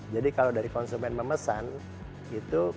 jadi kalau dari konsumen memesan itu pesanannya